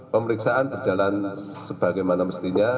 pemeriksaan berjalan sebagaimana mestinya